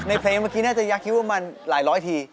เพลงเมื่อกี้น่าจะยักษ์คิดว่ามันหลายร้อยที